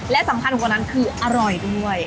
และสำคัญกว่านั้นคืออร่อยด้วย